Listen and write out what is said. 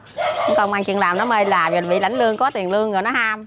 còn công an chuyện làm nó mê làm rồi bị lãnh lương có tiền lương rồi nó ham